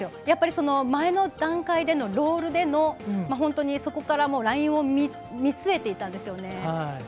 やっぱり、前の段階でのロールでそこからラインを見据えていたんですね。